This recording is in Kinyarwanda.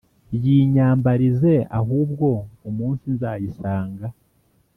Yinyambarize ahubwo Umunsi nzayisanga